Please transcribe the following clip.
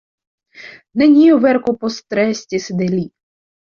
Neniu verko postrestis de li.